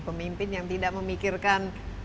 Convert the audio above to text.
pemimpin yang tidak memikirkan